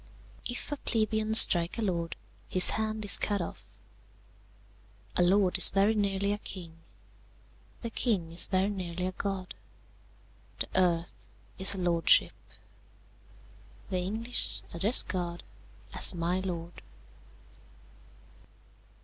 "If a plebeian strike a lord, his hand is cut off. "A lord is very nearly a king. "The king is very nearly a god. "The earth is a lordship. "The English address God as my lord!"